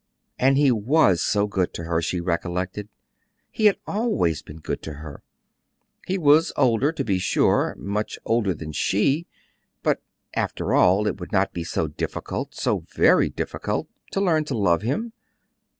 And he was so good to her, she recollected; he had always been good to her. He was older, to be sure much older than she; but, after all, it would not be so difficult, so very difficult, to learn to love him.